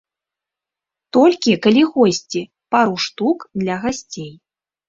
Толькі калі госці, пару штук, для гасцей.